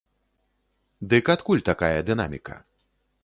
Дык адкуль такая дынаміка?